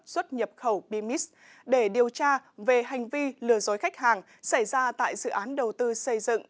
xuất nhập khẩu bimis để điều tra về hành vi lừa dối khách hàng xảy ra tại dự án đầu tư xây dựng